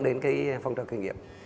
đến cái phong trào khởi nghiệp